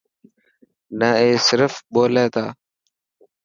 نه اي صرف ٻولي تا.